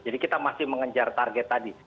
jadi kita masih mengejar target tadi